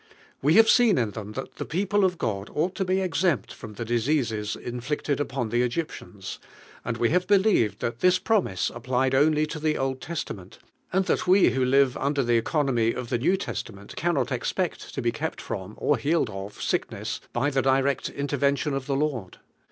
We have seen in them that the people of God ought to be exempt from the dis eases inflicted upon the Egyptians, and we have believed that this promise ap plied only lo I he Old Testament, and that we who live under the economy of the New Testament cannot expect to be kept from, or healed of sickness by the direct intervention of the Lord!